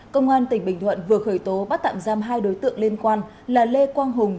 công an tỉnh bình thuận vừa khởi tố bắt tạm giam hai đối tượng liên quan là lê quang hùng